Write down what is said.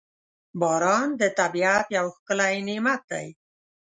• باران د طبیعت یو ښکلی نعمت دی.